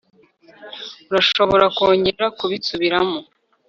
urashobora kongera kubisubiramo